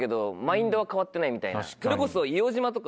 それこそ。